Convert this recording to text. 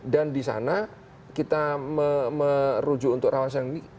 dan di sana kita merujuk untuk rawan sedang ini